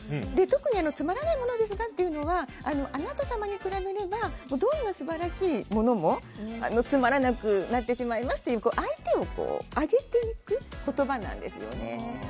特に、つまらないものですがというのは、あなた様に比べればどんな素晴らしいものもつまらなくなってしまうという相手を上げていく言葉なんですよね。